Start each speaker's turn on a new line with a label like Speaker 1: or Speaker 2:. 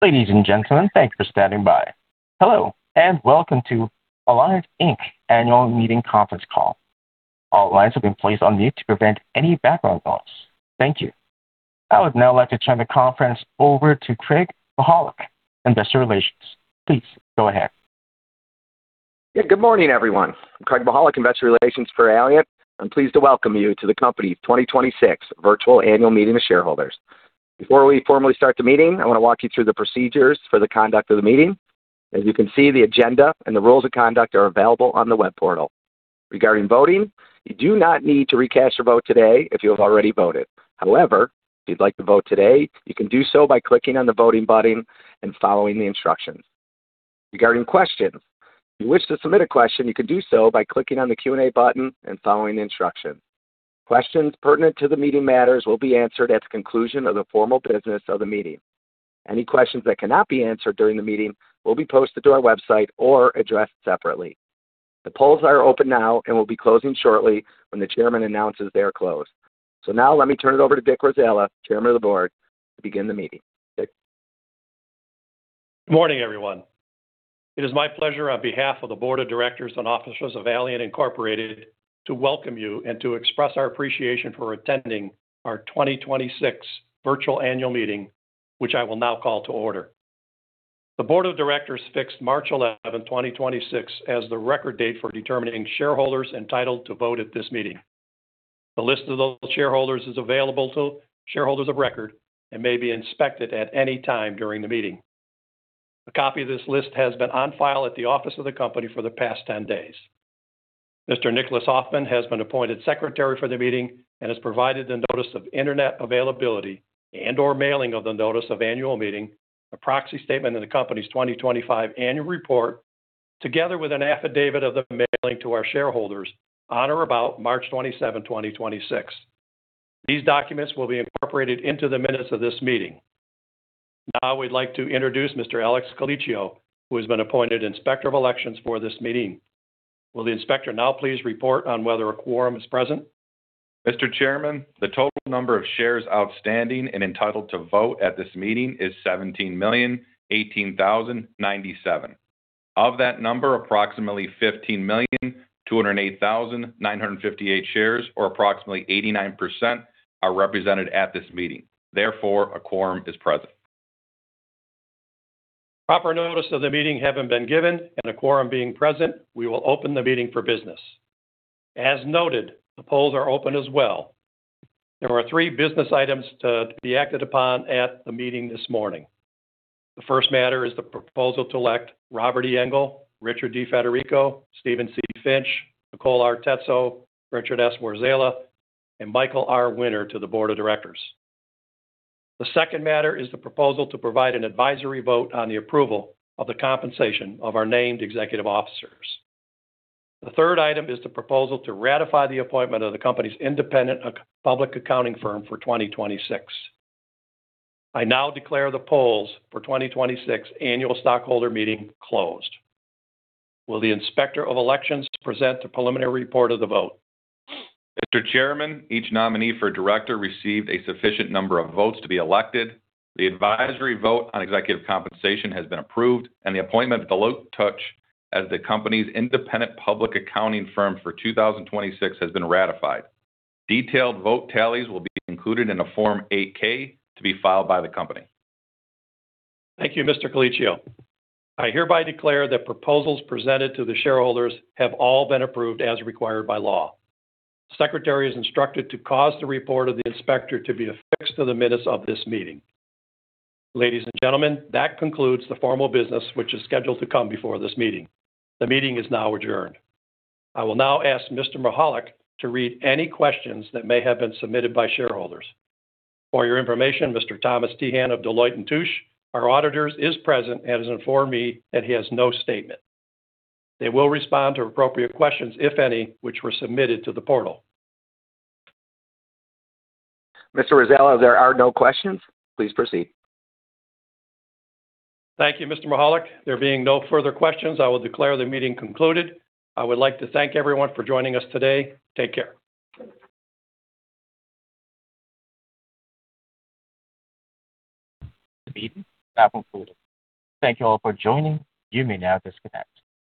Speaker 1: Ladies and gentlemen, thank you for standing by. Hello, and welcome to Allient Inc. annual meeting conference call. All lines have been placed on mute to prevent any background noise. Thank you. I would now like to turn the conference over to Craig P. Mychajluk, Investor Relations. Please go ahead.
Speaker 2: Yeah. Good morning, everyone. I'm Craig P. Mychajluk, investor relations for Allient Inc. I'm pleased to welcome you to the company 2026 virtual annual meeting of shareholders. Before we formally start the meeting, I wanna walk you through the procedures for the conduct of the meeting. As you can see, the agenda and the rules of conduct are available on the web portal. Regarding voting, you do not need to recast your vote today if you have already voted. However, if you'd like to vote today, you can do so by clicking on the voting button and following the instructions. Regarding questions, if you wish to submit a question, you can do so by clicking on the Q&A button and following the instructions. Questions pertinent to the meeting matters will be answered at the conclusion of the formal business of the meeting. Any questions that cannot be answered during the meeting will be posted to our website or addressed separately. The polls are open now and will be closing shortly when the chairman announces they are closed. Now let me turn it over to Dick Warzala, Chairman of the Board, to begin the meeting. Dick?
Speaker 3: Morning, everyone. It is my pleasure on behalf of the board of directors and officers of Allient Incorporated to welcome you and to express our appreciation for attending our 2026 virtual annual meeting, which I will now call to order. The board of directors fixed March 11, 2026 as the record date for determining shareholders entitled to vote at this meeting. The list of those shareholders is available to shareholders of record and may be inspected at any time during the meeting. A copy of this list has been on file at the office of the company for the past 10 days. Mr. Nicholas Hoffman has been appointed secretary for the meeting and has provided the notice of internet availability and/or mailing of the notice of annual meeting, a proxy statement in the company's 2025 annual report, together with an affidavit of the mailing to our shareholders on or about March 27, 2026. These documents will be incorporated into the minutes of this meeting. Now we'd like to introduce Mr. Alex Collichio, who has been appointed inspector of elections for this meeting. Will the inspector now please report on whether a quorum is present?
Speaker 4: Mr. Chairman, the total number of shares outstanding and entitled to vote at this meeting is 17,018,097. Of that number, approximately 15,208,958 shares, or approximately 89%, are represented at this meeting. Therefore, a quorum is present.
Speaker 3: Proper notice of the meeting having been given and a quorum being present, we will open the meeting for business. As noted, the polls are open as well. There are three business items to be acted upon at the meeting this morning. The first matter is the proposal to elect Robert B. Engel, Richard D. Federico, Steven C. Finch, Nicole R. Tzetzo, Richard S. Warzala, and Michael R. Winter to the board of directors. The second matter is the proposal to provide an advisory vote on the approval of the compensation of our named executive officers. The third item is the proposal to ratify the appointment of the company's independent public accounting firm for 2026. I now declare the polls for 2026 annual stockholder meeting closed. Will the inspector of elections present the preliminary report of the vote?
Speaker 4: Mr. Chairman, each nominee for director received a sufficient number of votes to be elected. The advisory vote on executive compensation has been approved, the appointment of Deloitte & Touche as the company's independent public accounting firm for 2026 has been ratified. Detailed vote tallies will be included in a Form 8-K to be filed by the company.
Speaker 3: Thank you, Mr. Colicchio. I hereby declare that proposals presented to the shareholders have all been approved as required by law. Secretary is instructed to cause the report of the inspector to be affixed to the minutes of this meeting. Ladies and gentlemen, that concludes the formal business which is scheduled to come before this meeting. The meeting is now adjourned. I will now ask Mr. Michaud to read any questions that may have been submitted by shareholders. For your information, Mr. Thomas T. Hann of Deloitte & Touche, our auditors, is present and has informed me that he has no statement. They will respond to appropriate questions, if any, which were submitted to the portal.
Speaker 5: Mr. Warzala, there are no questions. Please proceed.
Speaker 3: Thank you, Mr. Michaud. There being no further questions, I will declare the meeting concluded. I would like to thank everyone for joining us today. Take care.
Speaker 1: The meeting is now concluded. Thank you all for joining. You may now disconnect.